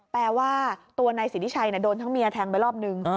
แปลว่าตัวนายสิทธิชัยโดนทั้งเมียแทงไปรอบนึง